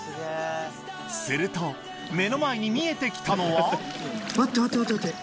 すると目の前に見えてきたのは待って待って待って待って！